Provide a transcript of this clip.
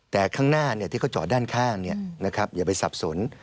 แต่ข้างหน้าที่เขาจอดด้านข้างอย่าไปสับสน